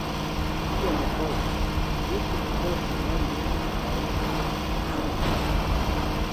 Iom poste, ni sukcese mendis kaj sidiĝis